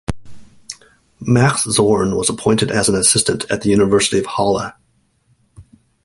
Max Zorn was appointed as an assistant at the University of Halle.